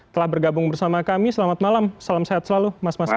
telah bergabung bersama kami selamat malam salam sehat selalu mas mas bima